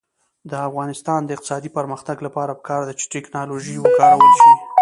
د افغانستان د اقتصادي پرمختګ لپاره پکار ده چې ټیکنالوژي وکارول شي.